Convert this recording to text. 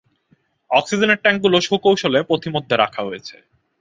অক্সিজেনের ট্যাঙ্কগুলো সুকৌশলে পথিমধ্যে রাখা হয়েছে।